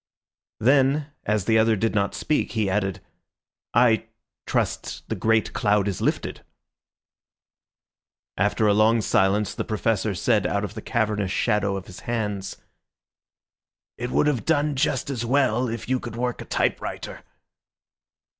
Then, as the other did not speak, he added— "I trust the great cloud is lifted." After a long silence, the Professor said out of the cavernous shadow of his hands— "It would have done just as well if you could work a typewriter."